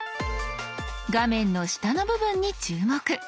画面の下の部分に注目。